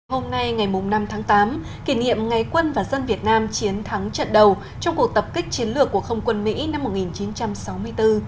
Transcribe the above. hôm nay ngày năm tháng tám kỷ niệm ngày quân và dân việt nam chiến thắng trận đầu trong cuộc tập kích chiến lược của không quân mỹ năm một nghìn chín trăm sáu mươi bốn